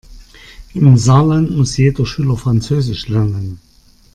Im Saarland muss jeder Schüler französisch lernen.